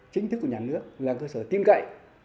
chính thức của nhà nước là cơ sở tin cậy